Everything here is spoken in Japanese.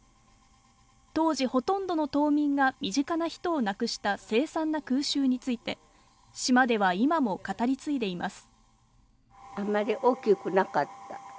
当時ほとんどの島民が身近な人を亡くした凄惨な空襲について島では今も語り継いでいます